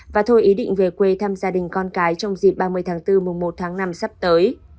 và thôi ý định về quê thăm gia đình con cái trong dịp ba mươi tháng bốn mùa một tháng năm sắp tới